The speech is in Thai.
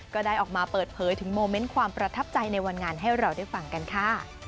ก็ได้ออกมาเปิดเผยถึงโมเมนต์ความประทับใจในวันงานให้เราได้ฟังกันค่ะ